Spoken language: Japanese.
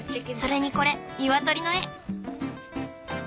それにこれニワトリの絵。